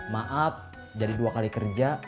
maaf jadi dua kali kerja